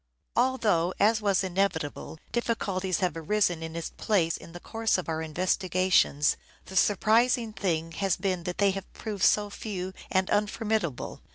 Although, as was inevitable, difficulties have arisen its place in the course of our investigations, the surprising thing has been that they have proved so few and unformidable.